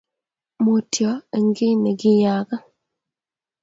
mutyo eng kiy negiyaak.